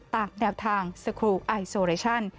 ตามแนวทางสครูไอโซเรชั่น